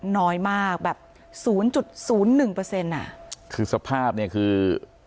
น้อยมากแบบศูนย์จุดศูนย์หนึ่งเปอร์เซ็นต์อ่ะคือสภาพเนี่ยคือ